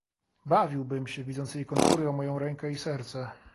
"Bawiłbym się, widząc jej konkury o moję rękę i serce."